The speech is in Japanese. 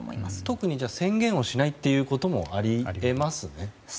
特に宣言をしないこともあり得ますね？